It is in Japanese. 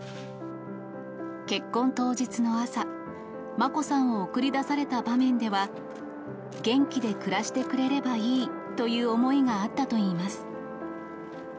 結婚当日の朝、眞子さんを送り出された場面では、元気で暮らしてくれればいいという思いがあったといいます。